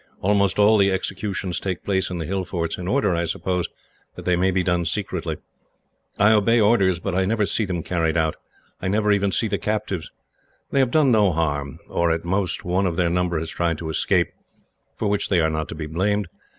Almost all the executions take place in the hill forts; in order, I suppose, that they may be done secretly. I obey orders, but I never see them carried out. I never even see the captives. They have done no harm, or, at most, one of their number has tried to escape, for which they are not to be blamed.